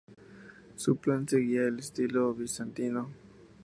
Su plan seguía el estilo bizantino.